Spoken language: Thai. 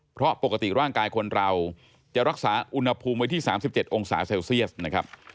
เพราะปกติร่างกายคนเราจะรักษาอุณหภูมิไว้ที่๓๗องศาเซลเซียสนะครับ